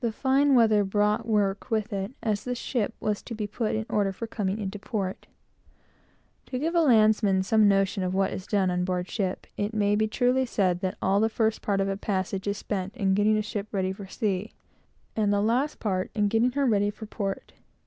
The fine weather brought work with it; as the ship was to be put in order for coming into port. This may give a landsman some notion of what is done on board ship. All the first part of a passage is spent in getting a ship ready for sea, and the last part in getting her ready for port.